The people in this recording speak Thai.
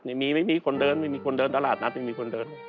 ไม่มีคนเดินตลาดนัดไม่มีคนเดิน